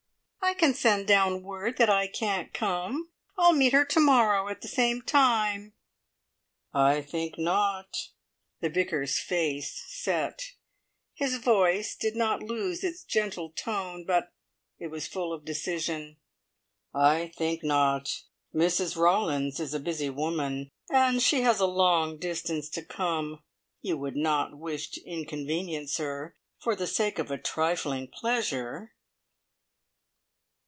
"I can send down word that I can't come. I'll meet her to morrow at the same time." "I think not." The Vicar's face set; his voice did not lose its gentle tone, but it was full of decision. "I think not. Mrs Rawlins is a busy woman, and she has a long distance to come. You would not wish to inconvenience her for the sake of a trifling pleasure!"